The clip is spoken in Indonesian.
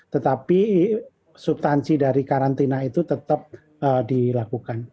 tetapi subtansi dari karantina itu tetap dilakukan